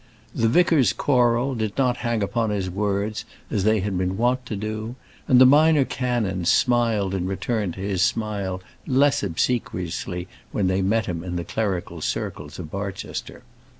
The vicars choral did not hang upon his words as they had been wont to do, and the minor canons smiled in return to his smile less obsequiously when they met him in the clerical circles of Barchester.